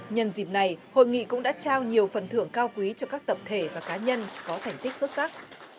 nhân dịp này hội nghị cũng đã trao nhiều phần thưởng cao quý cho các tập thể và cá nhân có thành tích xuất sắc